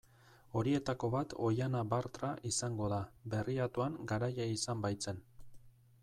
Horietako bat Oihana Bartra izango da, Berriatuan garaile izan baitzen.